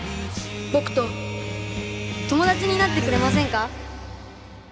僕と友達になってくれませんか？